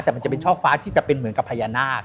แต่มันจะเป็นช่อฟ้าที่แบบเป็นเหมือนกับพญานาค